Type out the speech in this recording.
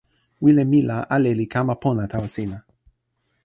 wile mi la ale li kama pona tawa sina.